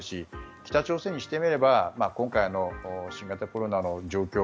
北朝鮮にしてみれば今回の新型コロナの状況